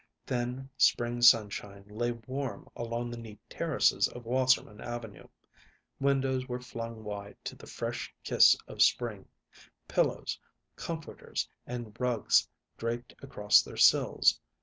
Thin spring sunshine lay warm along the neat terraces of Wasserman Avenue. Windows were flung wide to the fresh kiss of spring; pillows, comforters, and rugs draped across their sills.